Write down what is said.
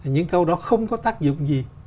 những câu đó không có tác dụng gì